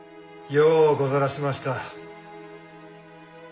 ようござらしました。